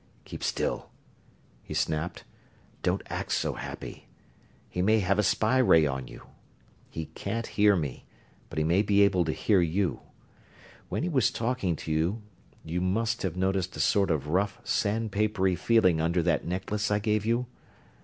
"Keep still!" he snapped. "Don't act so happy! He may have a spy ray on you. He can't hear me, but he may be able to hear you. When he was talking to you you must have noticed a sort of rough, sandpapery feeling under that necklace I gave you?